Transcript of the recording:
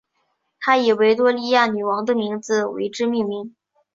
他以维多利亚女王的名字为之命名。